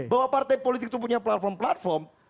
bahwa partai politik itu punya platform platform